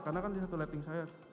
karena kan di satu lighting saya